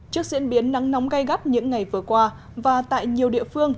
trước diễn biến nắng nóng gây gấp những ngày vừa qua và tại nhiều địa phương